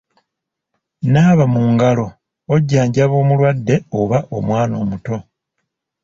Naaba mu ngalo ojjanjaba omulwadde oba omwana omuto.